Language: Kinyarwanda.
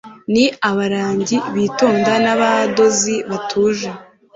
Ni abarangi bitonda nabadozi batuje